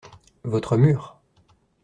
Votre mur.